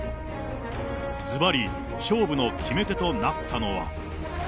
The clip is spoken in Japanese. ずばり勝負の決め手となったのは。